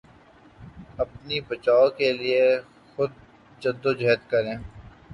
اپنے بچاؤ کے لیے خود جدوجہد کریں